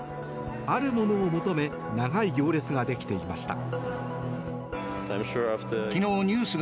あるものを求め長い行列ができていました。